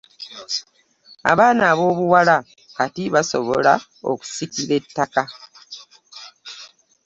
Abaana aboobuwala kati basobola okusikira ettaka.